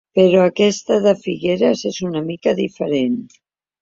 Però aquesta de Figueres és una mica diferent.